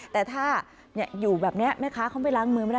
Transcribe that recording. แต่ถ้าอยู่แบบนี้แม่ค้าเขาไม่ล้างมือไม่ได้